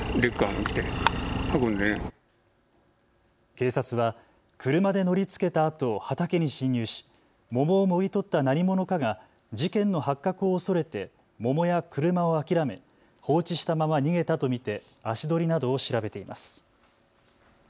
警察は車で乗りつけたあと畑に侵入し、桃をもぎ取った何者かが事件の発覚を恐れて桃や車を諦め放置したまま逃げたと見て足取りなどを調べています。